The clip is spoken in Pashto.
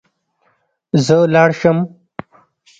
زه لاړ شم